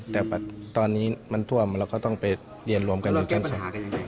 แต่ตอนนี้มันท่วมเราก็ต้องไปเรียนรวมกันอยู่ชั้นศาล